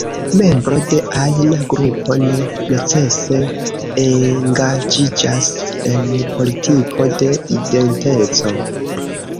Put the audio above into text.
Membro de ajna grupo ne necese engaĝiĝas en politiko de identeco.